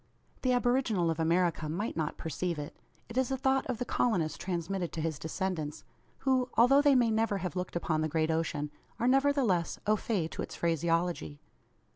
The aboriginal of America might not perceive it. It is a thought of the colonist transmitted to his descendants; who, although they may never have looked upon the great ocean, are nevertheless au fait to its phraseology.